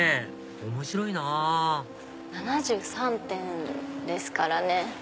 面白いなぁ７３点ですからね。